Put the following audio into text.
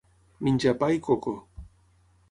Menjar pa i coco.